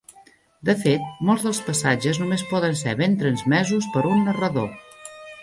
De fet, molts dels passatges només poden ser ben transmesos per un narrador.